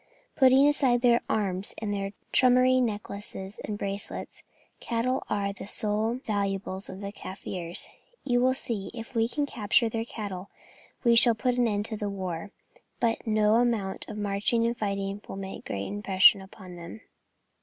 Putting aside their arms and their trumpery necklaces and bracelets, cattle are the sole valuables of the Kaffirs. You will see, if we can capture their cattle, we shall put an end to the war; but no amount of marching and fighting will make any great impression upon them."